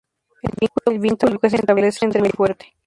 El vínculo que se establece entre ellos es muy fuerte.